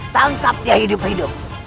tangkap dia hidup hidup